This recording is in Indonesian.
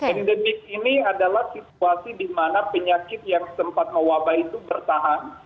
endemik ini adalah situasi di mana penyakit yang sempat mewabah itu bertahan